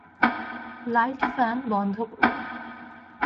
Light fan বন্ধ করুন।